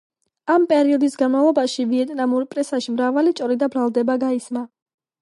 ამ პერიოდის განმავლობაში ვიეტნამურ პრესაში მრავალი ჭორი და ბრალდება გაისმა.